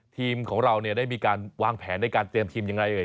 ทีมของเราเนี่ยได้มีการวางแผนในการเตรียมทีมยังไง